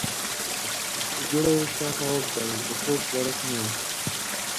په بيړه يې شاوخوا وکتل، د توپ درک نه و.